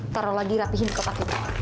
nanti lagi rapihin kepakit